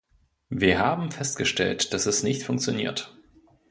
Wir haben festgestellt, dass es nicht funktioniert.